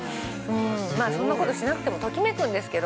まぁそんなことしなくてもときめくんですけど。